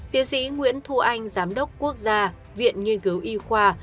tiến sĩ nguyễn thu anh giám đốc quốc gia viện nghiên cứu y khoa